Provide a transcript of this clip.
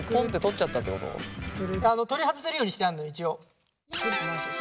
取り外せるようにしてあるの一応。